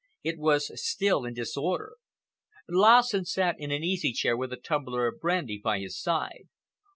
It was still in disorder. Lassen sat in an easy chair with a tumbler of brandy by his side.